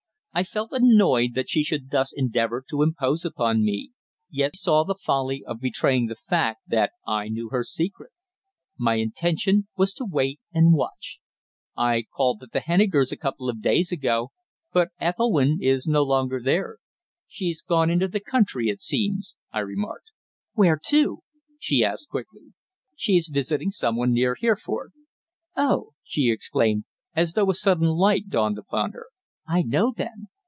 I felt annoyed that she should thus endeavour to impose upon me, yet saw the folly of betraying the fact that I knew her secret. My intention was to wait and watch. "I called at the Hennikers' a couple of days ago, but Ethelwynn is no longer there. She's gone into the country, it seems," I remarked. "Where to?" she asked quickly. "She's visiting someone near Hereford." "Oh!" she exclaimed, as though a sudden light dawned upon her. "I know, then.